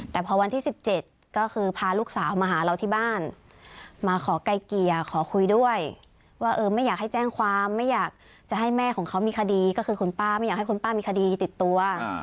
แต่พอวันที่๑๗ก็คือพาลูกสาวมาหาเราที่บ้านมาขอไกลเกลี่ยขอคุยด้วยว่าเออไม่อยากให้แจ้งความไม่อยากจะให้แม่ของเขามีคดีก็คือคุณป้าไม่อยากให้คุณป้ามีคดีติดตัว